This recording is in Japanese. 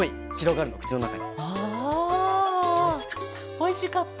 おいしかった。